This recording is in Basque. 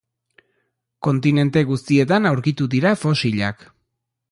Kontinente guztietan aurkitu dira fosilak.